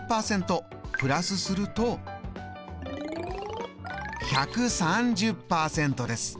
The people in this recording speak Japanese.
プラスすると１３０％です。